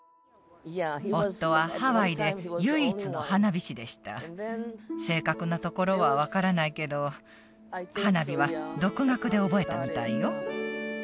夫はハワイで唯一の花火師でした正確なところは分からないけど花火は独学で覚えたみたいよ